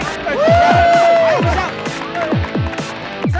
sampai ketemu lagi